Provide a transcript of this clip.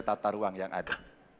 tata ruang yang ada